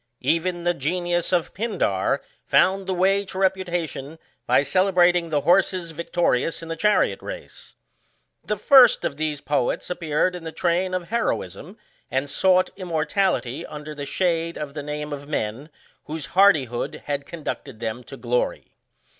Even the genius of Pindar found the way to reputation by celebrating the horses vic torious in the chariot race. The first of poets ap peared in the train of heroism, and sought immor tality under the shade of the name of men, whose hardihood had conducted them to glory.